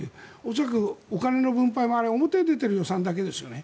恐らくお金の分配も表に出ている予算だけですよね。